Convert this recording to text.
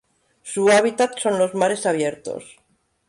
Su hábitat son los mares abiertos.